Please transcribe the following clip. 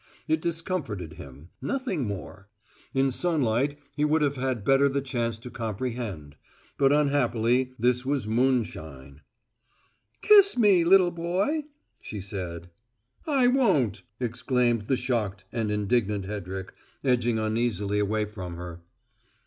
It discomforted him; nothing more. In sunlight he would have had the better chance to comprehend; but, unhappily, this was moonshine. "Kiss me, little boy!" she said. "I won't!" exclaimed the shocked and indignant Hedrick, edging uneasily away from her.